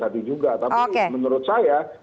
tadi juga tapi menurut saya